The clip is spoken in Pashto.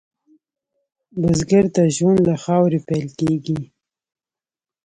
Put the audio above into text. بزګر ته ژوند له خاورې پیل کېږي